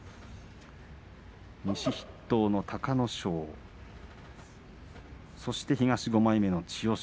西筆頭の隆の勝そして東５枚目の千代翔